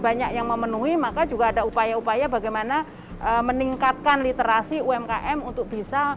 banyak yang memenuhi maka juga ada upaya upaya bagaimana meningkatkan literasi umkm untuk bisa